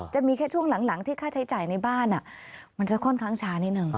จะมีแค่ช่วงหลังที่ค่าใช้จ่ายในบ้านมันจะค่อนข้างช้านิดนึง